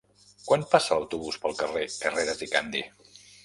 Quan passa l'autobús pel carrer Carreras i Candi?